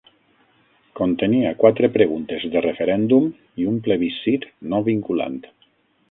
Contenia quatre preguntes de referèndum i un plebiscit no vinculant.